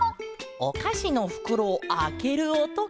おかしのふくろをあけるおとか。